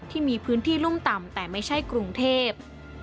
ที่มีพื้นที่รุ่มต่ำแต่ไม่ใช่กรุงเทพ